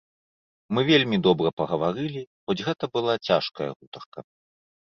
Мы вельмі добра пагаварылі, хоць гэта была цяжкая гутарка.